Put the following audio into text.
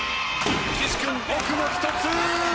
岸君奥の１つ。